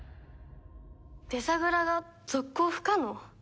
デザグラが続行不可能？